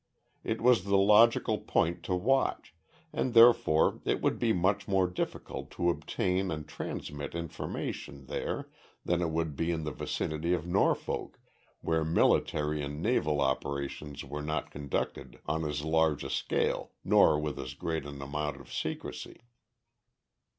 It was the logical point to watch, and therefore it would be much more difficult to obtain and transmit information there than it would be in the vicinity of Norfolk, where military and naval operations were not conducted on as large a scale nor with as great an amount of secrecy.